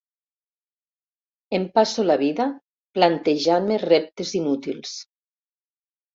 Em passo la vida plantejant-me reptes inútils.